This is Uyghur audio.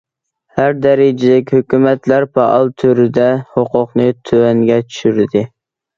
ھەر دەرىجىلىك ھۆكۈمەتلەر پائال تۈردە ھوقۇقنى تۆۋەنگە چۈشۈردى.